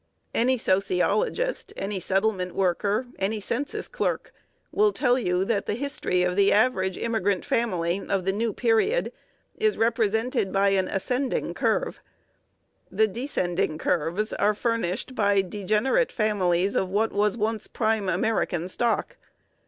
Any sociologist, any settlement worker, any census clerk will tell you that the history of the average immigrant family of the "new" period is represented by an ascending curve. The descending curves are furnished by degenerate families of what was once prime American stock.